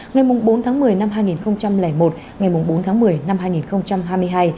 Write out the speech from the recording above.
ngày bốn tháng một mươi năm hai nghìn một ngày bốn tháng một mươi năm hai nghìn hai mươi hai